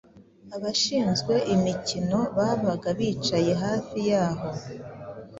abashinzwe imikino babaga bicaye hafi y’aho